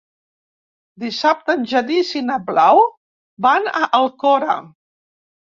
Dissabte en Genís i na Blau van a l'Alcora.